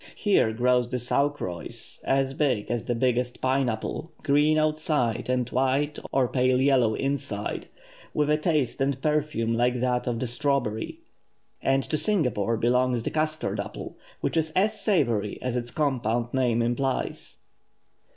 Here grows the saucroys, as big as the biggest pine apple, green outside, and white or pale yellow inside, with a taste and perfume like that of the strawberry. And to Singapore belongs the custard apple, which is as savoury as its compound name implies.